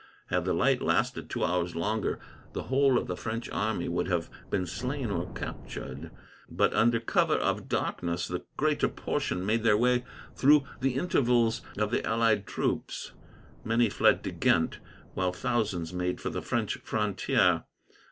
Had the light lasted two hours longer, the whole of the French army would have been slain or captured; but, under cover of darkness, the greater portion made their way through the intervals of the allied troops. Many fled to Ghent, while thousands made for the French frontier.